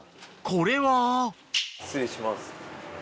これは失礼します。